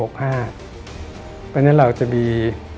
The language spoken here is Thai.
เพราะฉะนั้นเราจะมี